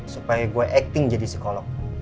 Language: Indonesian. supaya gue acting jadi psikolog